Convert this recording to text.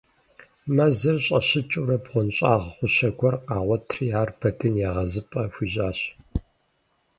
Мэзыр щӀащыкӀыурэ, бгъуэнщӀагъ гъущэ гуэр къагъуэтри ар Бэдын егъэзыпӀэ хуищӀащ.